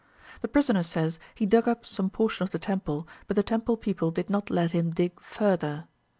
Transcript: The prisoner says he dug up some portion of the temple, but the temple people did not let him dig further.